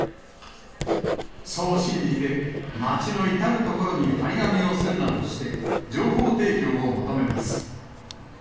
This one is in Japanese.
そう信じて、町の至る所に貼り紙をするなどして、情報提供を求めます。